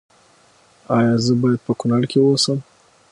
ایا زه باید په کنړ کې اوسم؟